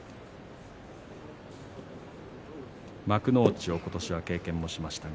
幕内を、ことし、経験しました。